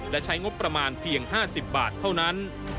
และใช้งบประมาณเพียง๕๐บาทเท่านั้น